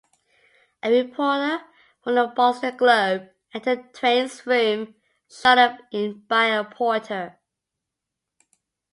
A reporter from the "Boston Globe" entered Twain's room, shuttled in by a porter.